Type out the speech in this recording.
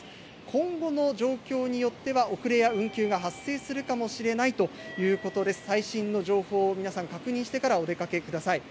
今後の状況によっては遅れや運休が発生するかもしれないということで、最新の情報を皆さん確認してからお出かけください。